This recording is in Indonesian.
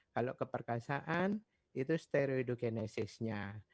kalau keperkasaan itu steroidogenesisnya